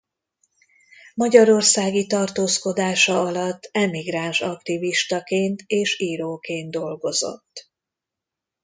Magyarországi tartózkodása alatt emigráns aktivistaként és íróként dolgozott.